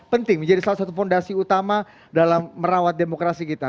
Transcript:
penting menjadi salah satu fondasi utama dalam merawat demokrasi kita